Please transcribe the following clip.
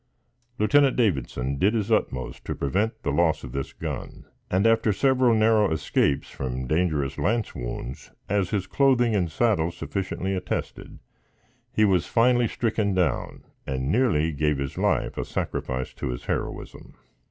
Lieutenant Davidson did his utmost to prevent the loss of this gun, and after several narrow escapes from dangerous lance wounds, as his clothing and saddle sufficiently attested, he was finally stricken down, and nearly gave his life a sacrifice to his heroism.